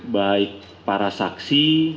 baik para saksi